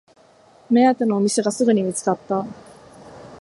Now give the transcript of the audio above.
目当てのお店がすぐに見つかった